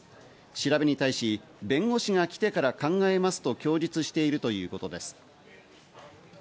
調べに対し、弁護士が来てから考えますと供述しているということです。